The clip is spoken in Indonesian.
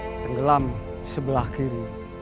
yang tenggelam di sebelah kiri